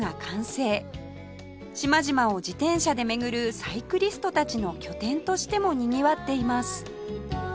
島々を自転車で巡るサイクリストたちの拠点としてもにぎわっています